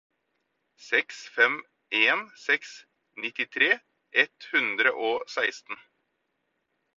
seks fem en seks nittitre ett hundre og seksten